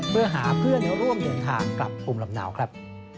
เพื่อหาเพื่อนร่วมเดินทางกลับภูมิลำเนาครับ